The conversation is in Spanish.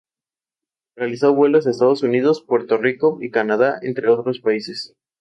Industria:construcción naval, procesamiento de mariscos y producción a base de pesca.